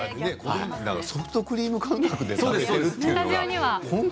ソフトクリーム感覚で食べるというのが本当？